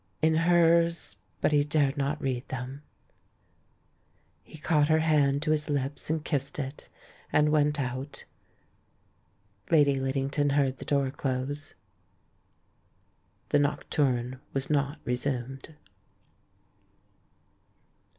In hers — but he dared not read them. He caught her hand to his lips and kissed it, and went out. Lady Liddington heard the door close. ... The nocturne was not resumed.